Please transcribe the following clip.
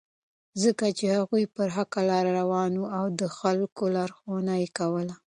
ځکه چې هغوی پر حقه لاره روان وو او د خلکو لارښوونه یې کوله.